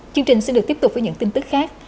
chương trình xin được tiếp tục với những tin tức khác